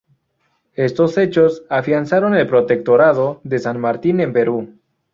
Estos hechos afianzaron el protectorado de San Martín en Perú.